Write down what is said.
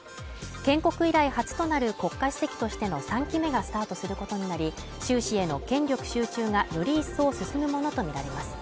建国以来初となる国家主席としての３期目がスタートすることになり、習氏への権力集中がより一層進むものとみられます。